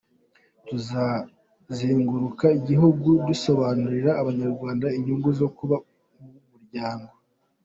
Tuzazengurua igihugu dusobanurira abanyarwanda inyungu zo kuba mu muryango.